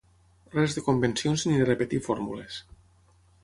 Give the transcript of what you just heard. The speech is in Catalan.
Res de convencions ni de repetir fórmules.